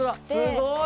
すごい！